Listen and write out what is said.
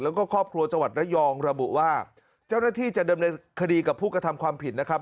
แล้วก็ครอบครัวจังหวัดระยองระบุว่าเจ้าหน้าที่จะดำเนินคดีกับผู้กระทำความผิดนะครับ